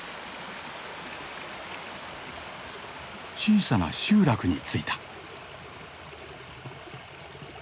小さな集落に着いた。